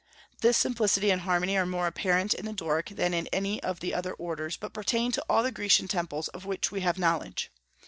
This simplicity and harmony are more apparent in the Doric than in any of the other orders, but pertain to all the Grecian temples of which we have knowledge.